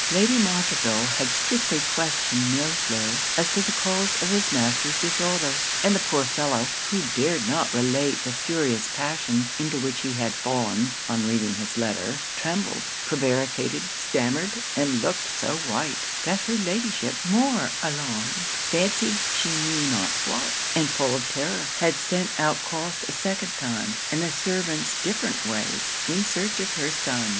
Lady Montreville had strictly questioned Millefleur as to the cause of his master's disorder; and the poor fellow, who dared not relate the furious passion into which he had fallen on reading his letter, trembled, prevaricated, stammered, and looked so white, that her Ladyship, more alarmed, fancied she knew not what; and full of terror, had sent out Crofts a second time, and the servants different ways, in search of her son.